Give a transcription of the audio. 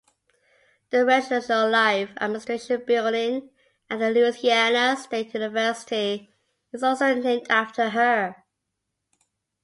The Residential Life Administration building at Louisiana State University is also named after her.